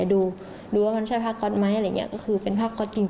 ดูดูว่ามันใช่ผ้าก๊อตไหมอะไรอย่างเงี้ยก็คือเป็นผ้าก๊อตจริง